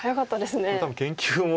これ多分研究も。